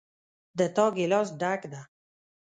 د تا ګلاس ډک ده